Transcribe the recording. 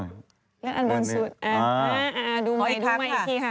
แล้วอันบนสุดดูใหม่อีกครั้งค่ะ